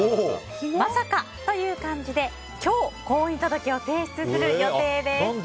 まさか！という感じで今日、婚姻届を提出する予定です。